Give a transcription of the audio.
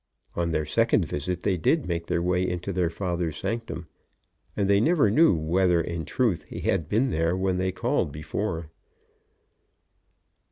On their second visit they did make their way into their father's sanctum, and they never knew whether in truth he had been there when they called before.